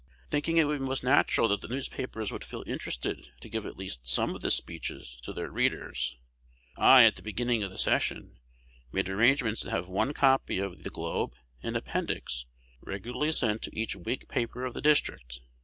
Thinking it would be most natural that the newspapers would feel interested to give at least some of the speeches to their readers, I, at the beginning of the session, made arrangements to have one copy of "The Globe" and "Appendix" regularly sent to each Whig paper of the district.